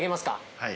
はい。